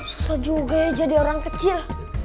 susah juga ya jadi orang kecil